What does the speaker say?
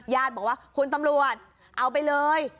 ญาติบอกว่าคุณตำรวจเอาไปเลย